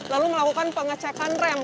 lalu melakukan pengecekan rem